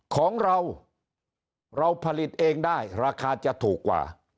ของเราเราผลิตเองได้ราคาจะถูกกว่า